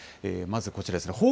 まずこちらですね。